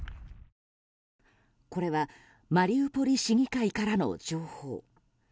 これはマリウポリ市議会からの情報。